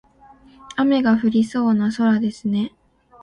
雨が降りそうな空ですね。